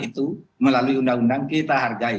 itu melalui undang undang kita hargai